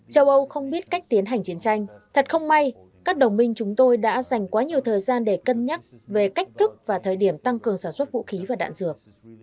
châu âu không biết cách tiến hành chiến tranh thật không may các đồng minh chúng tôi đã dành quá nhiều thời gian để cân nhắc về cách thức và thời điểm tăng cường sản xuất vũ khí và đạn dược